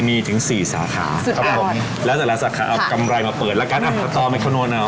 มีถึง๔สาขาครับแล้วท่าเหลือสาขานะครับคำนวณไหนเอา